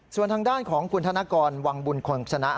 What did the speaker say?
ส่วนทางด้านของคุณธนกรวังบุญคนชนะ